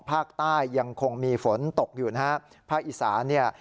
ภาคใต้ยังคงมีฝนตกอยู่นะฮะภาคอีสานเนี่ย